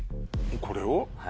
これを？